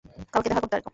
কালকে দেখা করতে আসবো।